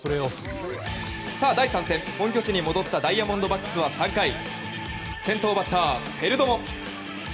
さあ第３戦、本拠地に戻ったダイヤモンドバックスは３回先頭バッター、ペルドモ。